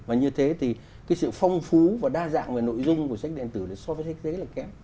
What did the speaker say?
và như thế thì cái sự phong phú và đa dạng và nội dung của sách điện tử so với sách giấy là kém